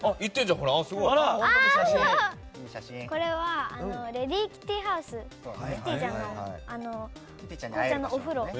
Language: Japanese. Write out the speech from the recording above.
これは、レディーキティハウスキティちゃんのお風呂。